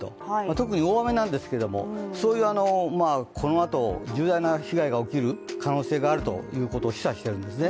特に大雨なんですけれども、このあと重大な被害が起きる可能性があることを示唆しているんですね。